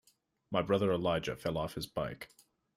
My brother Elijah fell off his bike.